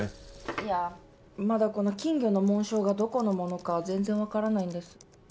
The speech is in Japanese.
いやまだこの金魚の紋章がどこのものか全然分からないんです